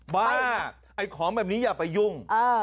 บ้าไอ้ของแบบนี้อย่าไปยุ่ง